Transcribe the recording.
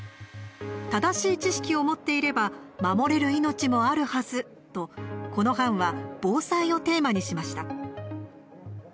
正しい知識を持っていれば守れる命もあるはずとこの班は防災をテーマにしました。